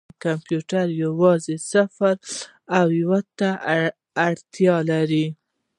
کمپیوټر یوازې صفر او یو ته اړتیا لري.